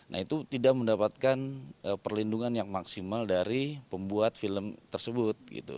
nah itu tidak mendapatkan perlindungan yang maksimal dari pembuat film tersebut